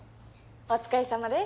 お疲れさまです